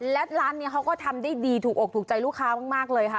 และร้านนี้เขาก็ทำได้ดีถูกอกถูกใจลูกค้ามากเลยค่ะ